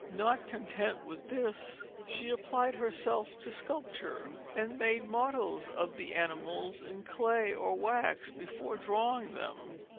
Not content with this, she applied herself to sculpture, and made models of the animals in clay or wax before drawing them.